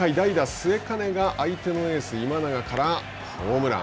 末包が相手のエース今永からホームラン。